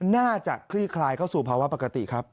คลี่คลายเข้าสู่ภาวะปกติครับ